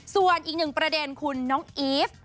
ส่วนอีกหนึ่งประเด็นคุณน้องอีฟ